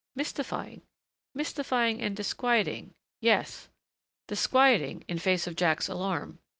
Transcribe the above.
Mystifying. Mystifying and disquieting yes, disquieting, in the face of Jack's alarm.